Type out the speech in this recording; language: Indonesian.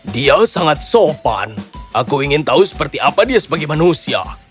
dia sangat sopan aku ingin tahu seperti apa dia sebagai manusia